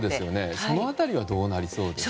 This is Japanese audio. その辺りはどうなりそうですか。